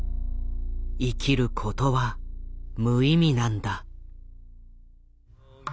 「生きることは無意味なんだ」。